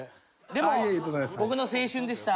でも僕の青春でした。